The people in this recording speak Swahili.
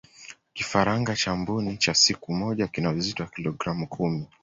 kifaranga cha mbuni cha siku moja kina uzito wa kilogramu kumi